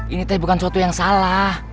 ini teh bukan suatu yang salah